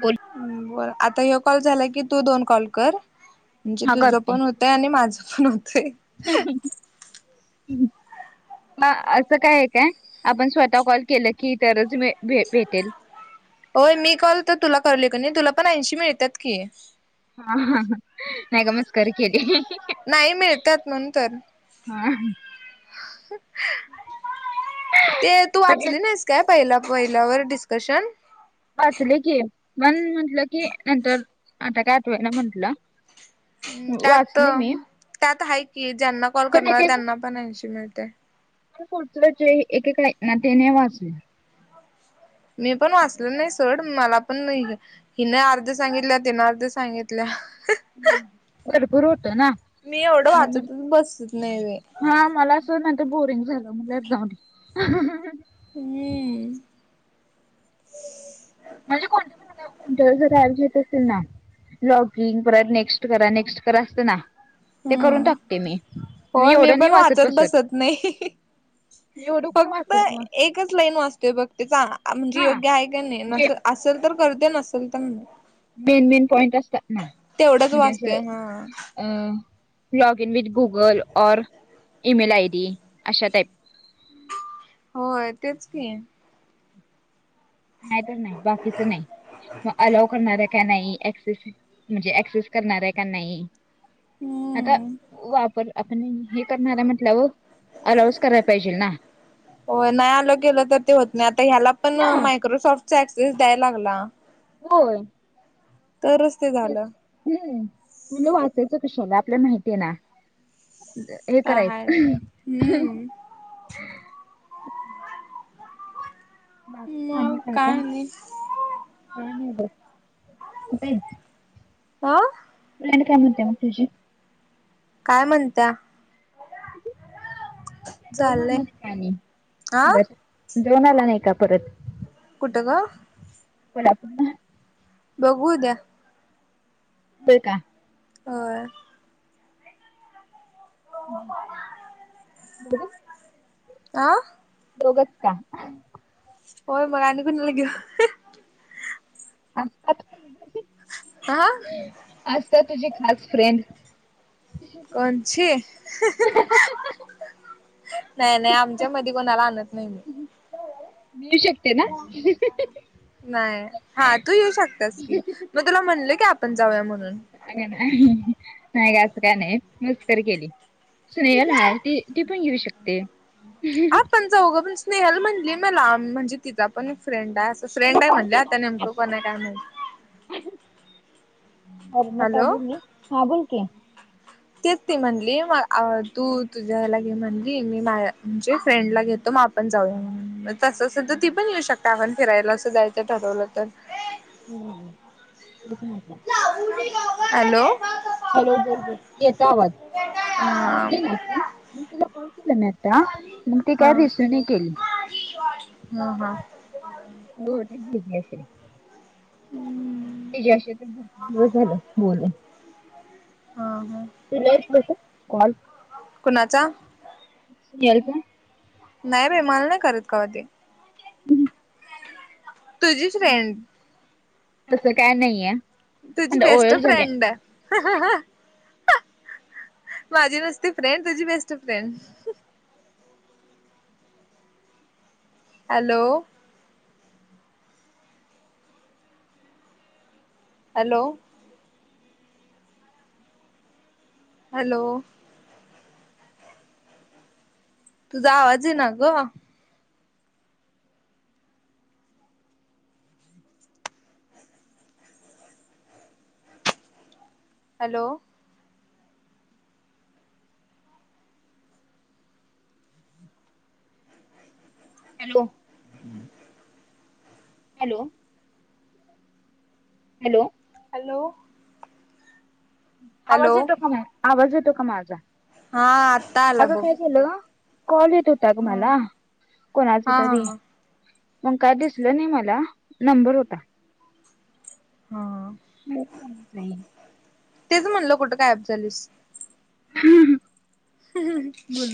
बोल हम्म बरं आता हे कॉल झाला की तू दोन कॉल कर, म्हणजे हा तुझं करते पण होत य आणि माझं पण होतंय. हम हम हम्म असं काय आहे काय, आपण स्वतः कॉल केलं की तरचं मी भे भेटेल? होय मी कॉल तर तुला करली क नाही तुला पण ऐंशी मिळतात की. नाही मिळत्यात म्हणून तर [inaudible] हा [unintelligible] ते तू म्हणजे वाचली नाहीसं काय पहिल्या पहिल्यावर डिस्कशन वाचले की म्हणून म्हंटलं की नंतर, आता काय आठवना म्हंटलं. हम्म त्यात, वाचले मी त्यात हाय कि ज्यांना कॉल पण करणार त्यांना पण ऐंशी मिळते. त्याच्या पुढचं जे एकेक हाय ते नाही वाचलं. मी पण वाचलं नाही सोड मला पण नाही हिने अर्ध सांगितल्या तिने अर्ध सांगितल्या. भरपूर होतंय ना? मी एवढं वाचतच बसतं नाही. हा मला असं नाहींतर बोरिंग झालं म्ह एकदा ह् म्हणजे कोण कोण्या व जयजी येत असेल ना ब्लॉगिंग परत नेक्स्ट करा नेक्स्ट करा असतं ना ते करून हम्म. टाकते मी तही होय मी एवढं नाही पण वाचत बसत नाही. एवढं कोण फक्त वाचय म एकच लाईन वाचतोय बघ ते म्हणजे योग्य आहे का नाही जे नस असेल तर करत नसेल तर मेन मेन पॉईंट असतात ना तेवढंच म्हणजे असं वाचतोय हा अ लॉग इन विथ गुगल और इईमेल आय डी अशा टाईप होय तेच की नाही तर नाही बाकीच नाही मग अलाव करणार आहे. का नाही ऍक्सेस, म्हणजे ऍक्सेस करणार येका नाही? आता हम्म वापर आपणं हे करणार आहे म्हंटल्यावर, आल्यावच करायला पाहिजे ना? होय नाही आलो गेलो तर ते होत नाही, आता ह्याला पण हा मायक्रोसॉफ्टच ऍक्सेस द्यायला लागला. हो तरचं ते झालं. हम्म, तुला वाचायचं कशाला आपल्याला माहितीये ना. हे काय हाय ते करायचं हम्म बाकी आ मग काका काय नाही का नाही काच आा वं काय म्हणतेय मग तुझी? काय म्हणत्या. चाललंय दोननच पाणी आ बर. द्रोणाला नाही का परत कुठग? कोल्हापूरला बघू उद्या. बरं का? हो. [unintelligible] दोघ आ. दोघच का? होय आणि कोणाला घेऊ. आ. हा. आता तुझी खास फ्रेंड. कोणची नाही नाही आमच्या मधी कोणाला आणत. नाही. मिळू शकते ना नाही हा तू येऊ शकतास कि मग तुला म्हणले की आपण जाऊया म्हणून अ नाही नाही का असं काय नाही मस्करी केली. स्नेहल हा ते त पण घेऊ शकते. पण जाऊघं पण स्नेहल म्हणली मला म्हणजे तिचा पण फ्रेंड आहे. फ्रेंड आहे म्हणले आता नेमकं कोण आहे काय नाही. अर मका हॅलो बोलली हा बोलकी तेच ती म्हणली तू तुझ्याला घे म्हणली मी मा म्हणजे फ्रेंडला घेतो मा पण जाऊया तस तर ती पण येऊ शकता आपण फिरायला असं जायचं ठरवलं तर- हो तेच ना. हॅलो. हॅलो बोल बोल येत आवाज हा. बोलली नाी मग तिला कॉल केला ना आता मग ती काय रिसीव्ह केली. ह हा. होट भक. त्याच्याशी झालं बोलण. हा हा. तिला यात नहीं का कॉल? कुणाचा? नाही बेई माल नाही करत काव ते हम्. तुझी फ्रेंड तसं काय नाहीये. तुझी आणि बेस्ट ओळख झाली फ्रेंड माझी नुसती फ्रेंड तुझी best friend hello hello hello तुझा आवाज ये ना ग. हॅलो. हॅलो. हम्म. हॅलो हॅलो हॅलो आवाज हॅलो. येतो का नाही आवाज येतो का माझा हा आत्ता आला अगं बघ. काय झालं कॉल येत होता हा तुम्हाला कोणाच हा तरी हा. मग काय दिसलं नाही मला नंबर होता हा बेस्ट फ्रेंड तेच म्हणलं कुठं गायप झालीस हम बोल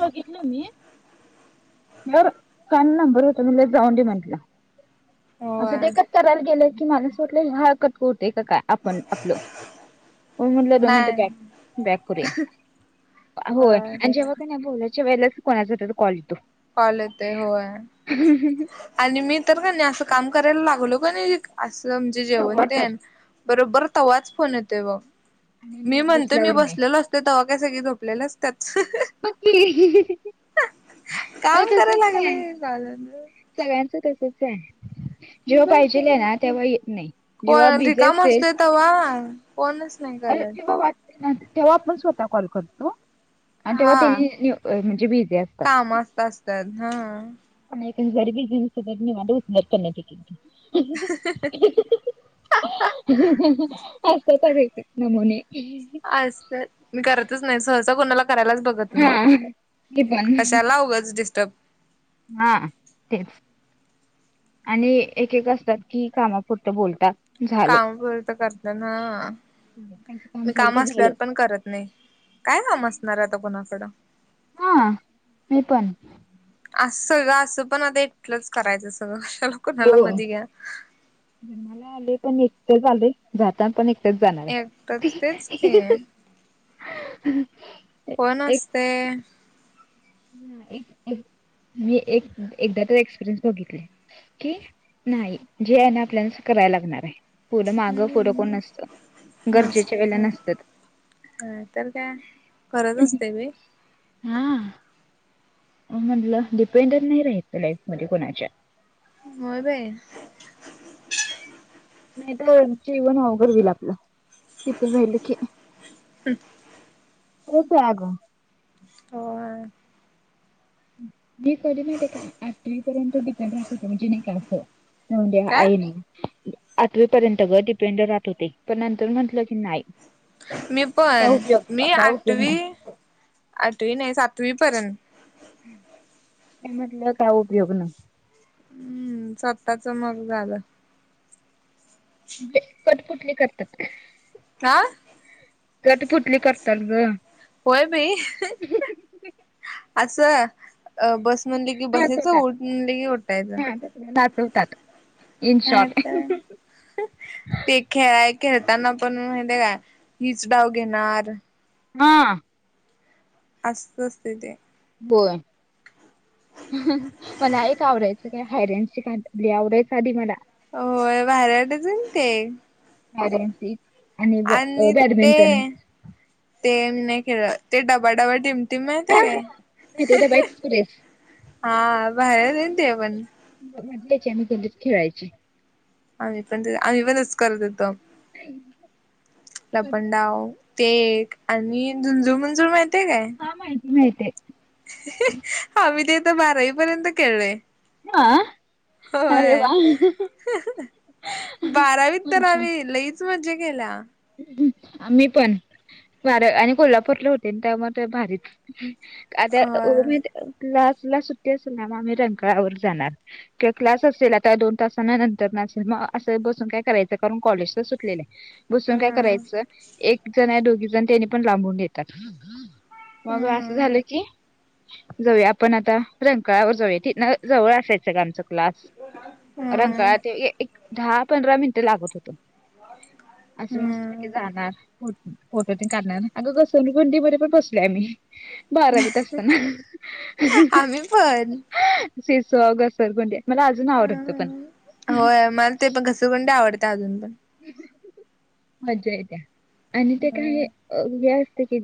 बघितलं मी बर काल ना बरं होत मला जाऊन दे म्हंटलं असं होय ते एकच करायला गेलं की मला असंटलं हरकत कोते काय आपण आपलं म्हणलंम नाही बॅ बॅक करूया होय आणि जेव्हा का नाही बोलायच्या वेळेलाच कोणाचा हो तो कॉल येतो कॉले येतोय होय आणि मी तर का नाही असं काम करायला लागलो का नाही असं म्हणजे जेवण तेव्हा तर दे ना बरोबर तेव्हाच फोन येतो बघ आणि मी निवांत म्हणतेो मी असल्यावर नाही. बसलेलो असतो त काय सगळे झोपलेलं अस त्याच बगकी काम करायला लागलंय गज सगळ्यांचं तसच आहे जेव्हा बघ पाहिजेल आहे की ना तेव्हा येत नाही जेव्हा बिझी असेल तव फोनच नाही अरे जेव्हा वाटते ना तेव्हा आपण स्वतः कॉल करतो आणि तेव्हा ते म्हणजे बिझी असतात मस्त अस तन पण गरबी दिसध वा निवांत उठण्यात आहै नाही असतात अग एक एक नमुने अस मी करतच नाही सहज कोणाला करायलाच बघ हा मी पण कशालागंच डिस्टर्ब हा तेच आणि एक एक असतात की कामापुरतं बोलतात झालं. काम तर करत ना त्यांचं म झालं काम की असल्यावर पण करत नाही काय काम असणार आता कोणाकडं हा मी पण असं सगळं असं पण आता इटलंच करायचं सगळं कला कणाला मध्ये घ्या जन्माला आले पण एकटच आले जाता पण जाणार एकटच आहे तेच की कोण एक असतय एक मी एकदा तर एक्सपिरियन्स बघितले कि नाही जे आहे ना आपल्यालाच करायला लागणार आहे फर माग फर कोण हम्म नसतं गरजेच्या वेळेला नसतं अ तर काय खरंच असते बी हा म्हटलं डिपेंडंट नाही राहाच लाईफ मध्ये कोुणाच्या होय बाई नाही तर जीवन अवघड होईल आपलं तिती राहिले केतग हो मी कधी माहिती आहे का आठवीपर्यंत बिकर राख होत म्हणजे नाही का असं न दे्या काय ईन आठवी पर्यंत ग डिपेंड राहत होते पण नंतर म्हंटलं की नाही मी काय पण उपयोग मी काय उपयोग आठवी नाही आठवी नाही सातवी पर्यंत मी म्हंटल काय उयोग न हम्म स्वतःच मग झालं क कुठली करतात हा तरता पुठली करतात ग होय बाई असं अ बस म्हणले कि बसायचं ट म्हणले कि उठायचं दाखवतात नाही तर ते खेळाय खेळताना पण माे काय हीच डाव घेणार हा असत असते ते कोण मला एक आवरायचं काय हयरनची काली आवरायचं आधी मला हो बाहेऱ्याटच ते र आणि बॅडमिंटन ते नाही खेळत ते डबा डबा टम ते माहते काय माहिती डबा एक्सप्रेस हा बाहेरच येन त पण मज यायची आम्ही कधच खेळायची आम्ही पण आम्ही पण तसच करत होतो लपणडाव ते आणि झुंजूमंजूर माहितीय काय का माहिती नाही ते हा मी तेथ बारावी पर्यंत खेळलोय हा अरे होय वा बारावीत तर मज्जा. लई आम्ही मजा केल्या आम्ही पण बार आणि कोल्हापूरले होते त्यामुळे भारीच आता होय म त तला सुट्टी अस ना मग आम्ही रंकाळावर जाणार किंवा क्लास असेल आता दोन तासांना नंतर न असेल मग असं बसून काय करायचं कारण कॉलेजच सुटलेलं आहे बसून काय हम्म करायच एक जण आहे दोघी जण त्यानी पण लाबून घेतात मग अस हम्म झाल की जाऊया आपण आता रंकळावर जाऊया तिथन जवळ असायच ग आमच क्लास हम्म रंकाळा ते एक दहा पंधरा मिनिट लागत होते अस मस्त हम्म पैकी जाणार फोटो तेन काढणारये आम्ही अगं घसर गुंडी वर पण बसले आम्ही बारावीत असताना आम्ही पण शिसॉ अ घसरगुंड्या मला अजून अ आवडत पण होय मला ते पण घसगूंडे आवडत्या अजून ते अजय आणि ते काये हम्म अ ते कि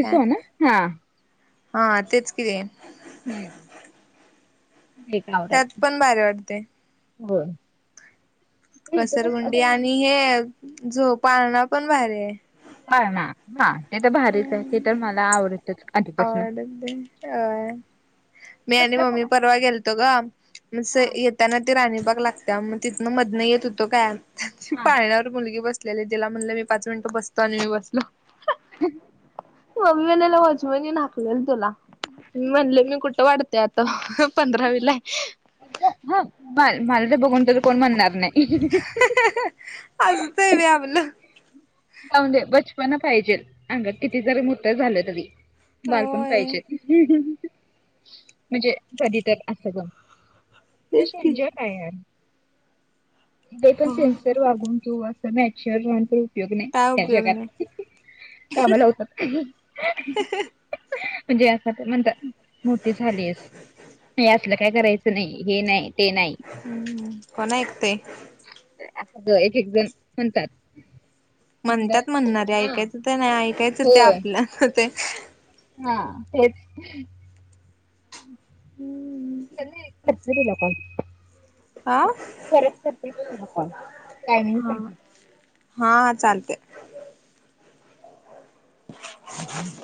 काय ना हा हा तेच कती हम् कार त्यात पण भारी वाटते. हो घसरगुंडी आणि हे झो पाळणा पण भारी आहे. पाळणा हा ते तर भारीच आहे ते तर मला आवडतच. आधीपासन आवडतय काय मी आणि मम्मी परवा गेलतो ग हा सहित. त्यांना ते राणीबाग लागत्या मग तिन मधन येत होतो काय हा पाळण्यावर मुलगी बस सले त्याने तिला म्हणल मी पाच मिनट बसतो आणि मी बसलो. [inaudible] मम्मी ने वाचवेन हाकलेल तुला मी म्हणले मी कुठ वाटत ते आता हम्म पंधरावीला हाय. हा [inaudible] माल माल तर बघून त कोण म्हणणार नाही आज ते व्याव्ह [unintelligible] जाऊन दे बचपन पाहिजे अंगात किती जरी मोठ झाल तरी बालपण होय पाहिजे. हम्म म्हणजे कधी तर अस ग त्या तेच शिवाय की एन्जॉय काय ये ते पण होय सेन्सर तू वागून तू अस नॅचुअर वा काही उपयोग नाही. काय त्या उपयोग नाही जगात कामलावतात हम्म अ. म्हणजे अस ते म्हणत मोठी झालीयेस नाही असलं का काय करायच नाही हे नाही ते नाही. कोण ऐकतेय. एक एक जण म्हणतात. म्हणलं म्हणतात म्हणणारे ऐकायच ते नाही ऐकायच ते होय आपल्या हातात हाय. हा तेच हम्म् कर की व्हिडिओ कॉल हा परत करते तूला कॉल टायमिंग संपलंय. हा हा चालतेय. ह ह [inaudible]